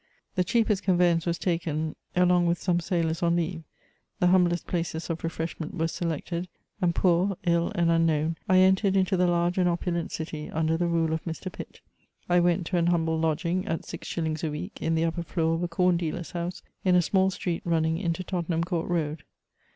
The cheapest conveyance was taken along with some sailors on leave ; the humblest places of refreshment were selected ; and poor, ill, and unknown, I entered into the large and opulent city under the rule of Mr. Pitt ; I went to an humble lodging at six shillings a week, in the upper floor of a corn dealer *8 house, in a small street running into Tottenham Court Road.